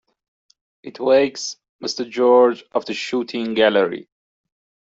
It wakes Mr. George of the shooting gallery.